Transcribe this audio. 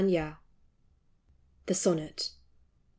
THE SONNET.